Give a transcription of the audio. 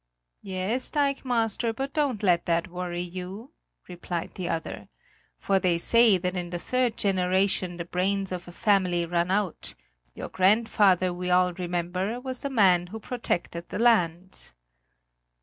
"Yes, dikemaster, but don't let that worry you," replied the other, "for they say that in the third generation the brains of a family run out; your grandfather, we all remember, was a man who protected the land!"